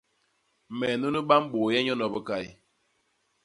Me nunu ba mbôye nyono bikay.